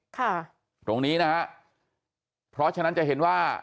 ค่ะตรงนี้นะฮะเพราะฉะนั้นจะเห็นว่า